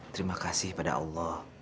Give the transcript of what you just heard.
terima kasih pada allah